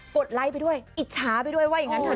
ดไลค์ไปด้วยอิจฉาไปด้วยว่าอย่างนั้นค่ะ